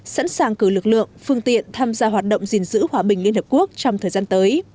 sẵn sàng cử lực lượng phương tiện tham gia hoạt động gìn giữ hòa bình liên hợp quốc trong thời gian tới